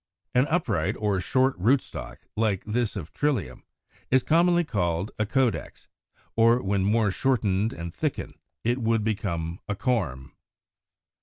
An upright or short rootstock, like this of Trillium, is commonly called a CAUDEX (93); or when more shortened and thickened it would become a corm.